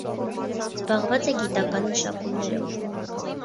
Զբաղուած է գիտական մշակումներով։